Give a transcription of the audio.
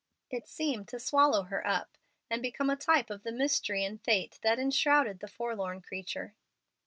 It seemed to swallow her up, and become a type of the mystery and fate that enshrouded the forlorn creature.